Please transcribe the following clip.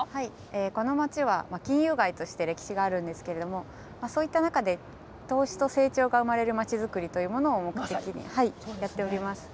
この街は金融街として歴史があるんですけれども、そういった中で、投資と成長が生まれる街づくりというものを目的にやっております。